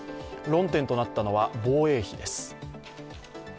論点となったのは防衛費です。